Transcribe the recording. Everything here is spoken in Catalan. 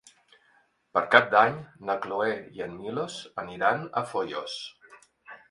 Per Cap d'Any na Cloè i en Milos aniran a Foios.